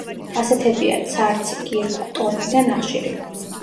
ასეთებია: ცარცი, კირქვა, ტორფი და ნახშირი.